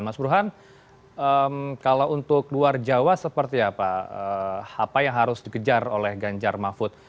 mas burhan kalau untuk luar jawa seperti apa apa yang harus dikejar oleh ganjar mahfud